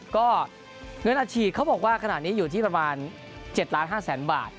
ก็เงินอาชีพเขาบอกว่าขนาดนี้อยู่ที่ประมาณ๗๕๐๐๐๐๐บาท